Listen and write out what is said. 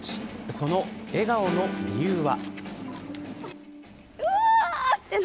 その笑顔の理由は。